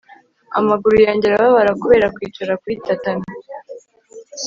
Amaguru yanjye arababara kubera kwicara kuri tatami